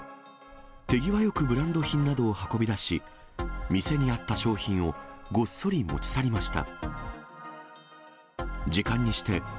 手際よくブランド品などを運び出し、店にあった商品をごっそり持ち去りました。